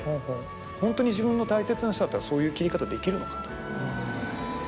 ホントに自分の大切な人だったらそういう切り方できるのかと。